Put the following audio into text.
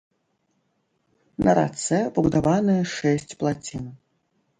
На рацэ пабудаваныя шэсць плацін.